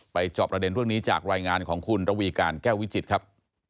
จอบประเด็นเรื่องนี้จากรายงานของคุณระวีการแก้ววิจิตรครับ